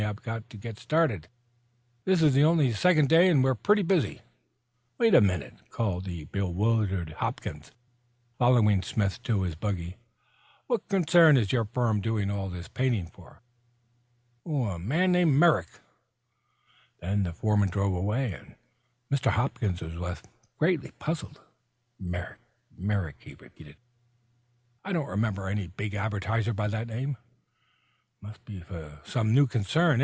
I've got to get started. This is only our second day and we're pretty busy." "Wait a minute," called the bewildered Hopkins, following Smith to his buggy. "What concern is your firm doing all this painting for?" "A man named Merrick." Then the foreman drove away, and Mr. Hopkins was left greatly puzzled. "Merrick Merrick!" he repeated. "I don't remember any big advertiser by that name. It must be some new concern.